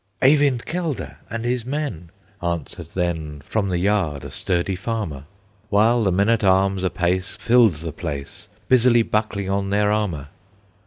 "Eyvind Kellda and his men!" Answered then From the yard a sturdy farmer; While the men at arms apace Filled the place, Busily buckling on their armor.